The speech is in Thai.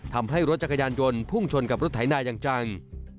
ทำให้รถจักรยานยนต์พุ่งชนกับรถไถนาอย่างจัง